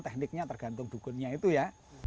tekniknya tergantung dukunnya itu ya